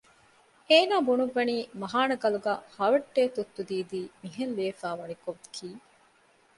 އޭނާ ބުނުއްވަނީ މަހާނަ ގަލުގައި ‘ހަވައްޑޭ ތުއްތު ދީދީ’ މިހެން ލިޔެވިފައި ވަނިކޮށް ކީ